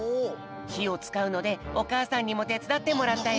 ひをつかうのでおかあさんにもてつだってもらったよ。